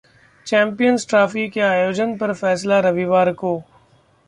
champions Trophy के आयोजन पर फैसला रविवार को